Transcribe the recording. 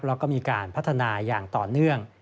แล้วก็มีการพัฒนาอย่างต่อเนื่อง